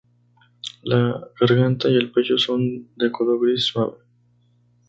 La garganta y el pecho son de color gris suave.